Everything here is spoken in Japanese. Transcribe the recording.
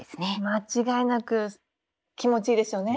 間違いなく気持ちいいでしょうね。